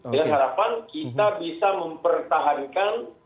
dengan harapan kita bisa mempertahankan